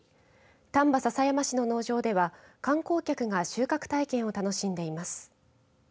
丹波篠山市の農場では観光客が収穫体験を楽しんでいます。